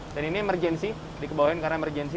dan ini emergency dikebawain karena emergency